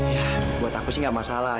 ya buat aku sih gak masalah